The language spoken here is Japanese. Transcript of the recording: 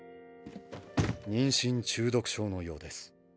妊娠中毒症のようです。